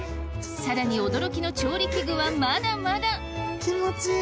さらに驚きの調理器具はまだまだ気持ちいい。